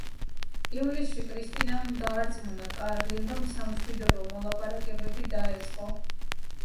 ივლისში კრისტინამ დაარწმუნა კარლი რომ სამშვიდობო მოლაპარაკებები დაეწყო.